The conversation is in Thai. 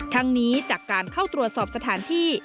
ทั้งนี้จากการเข้าตรวจสอบสถานที่